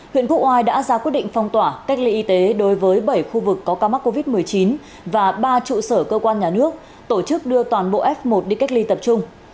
huyện quốc oai đã ra quyết định phong tỏa cách ly y tế đối với bảy khu vực có ca mắc covid một mươi chín và ba trụ sở cơ quan nhà nước tổ chức đưa toàn bộ f một đi cách ly tập trung